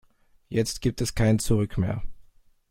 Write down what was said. Jetzt gibt es kein Zurück mehr.